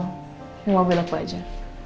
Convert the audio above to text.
yang mobil aku aja